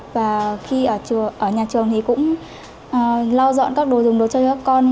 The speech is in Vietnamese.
và khi ở nhà trường thì cũng lau dọn các đồ dùng đồ chơi cho các con